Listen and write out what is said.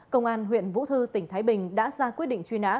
công an huyện vũ thư tỉnh thái bình đã ra quyết định truy nã